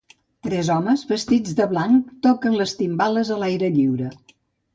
Tres homes vestits de blanc toquen les timbales a l'aire lliure.